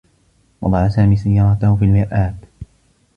وضع سامي سيّارته في المرآب.